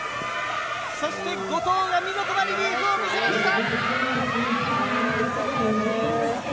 そして、後藤が見事なリリーフを見せました！